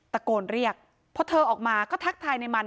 ตะโกนเรียกพอเธอออกมาก็ทักทายในมัน